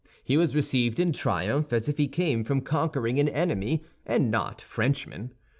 He was received in triumph, as if he came from conquering an enemy and not Frenchmen.